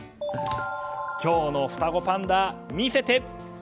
今日の双子パンダ、見せて！